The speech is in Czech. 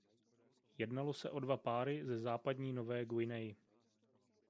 Jednalo se o dva páry ze Západní Nové Guiney.